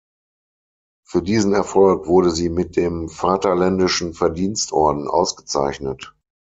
Für diesen Erfolg wurde sie mit dem Vaterländischen Verdienstorden ausgezeichnet.